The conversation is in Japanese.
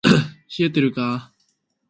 冷えてるか～